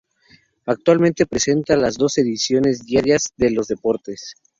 Actualmente presenta las dos ediciones diarias de los deportes.